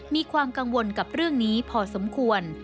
มีความกังวลกับเรื่องนี้พอสมควร